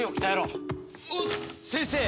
先生